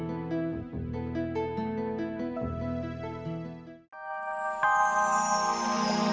kalau kampanye kamu penting ber genetically homo